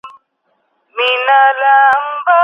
نارينه پر ښځو باندي څه ډول لوړوالی لري؟